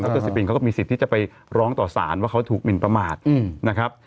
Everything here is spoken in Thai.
รซิปินเขาก็มีสิทธิ์ที่จะไปร้องต่อสารว่าเขาถูกหมินประมาทนะครับ